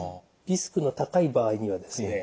リスクの高い場合にはですね